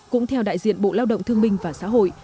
cũng theo đại diện bộ lao động thương minh và xã hội